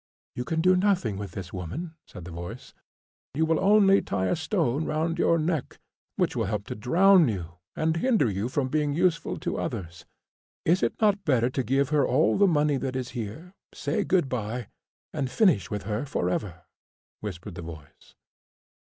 "You can do nothing with this woman," said the voice; "you will only tie a stone round your neck, which will help to drown you and hinder you from being useful to others. "Is it not better to give her all the money that is here, say good bye, and finish with her forever?" whispered the voice.